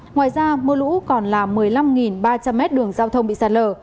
ngoài ra mưa lũ còn là một mươi năm ba trăm linh m đường giao thông bị sạt lở